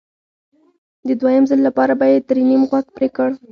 د دویم ځل لپاره به یې ترې نیم غوږ پرې کړ